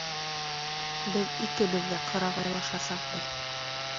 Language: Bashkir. Беҙ икебеҙ ҙә ҡырағайлашасаҡбыҙ.